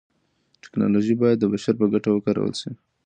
تکنالوژي بايد د بشر په ګټه وکارول سي.